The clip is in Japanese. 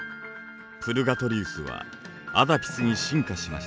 プルガトリウスはアダピスに進化しました。